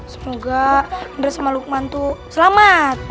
semoga indra sama lukman tuh selamat